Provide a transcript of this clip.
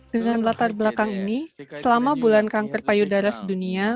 dengan latar belakang ini selama bulan kanker payudara sedunia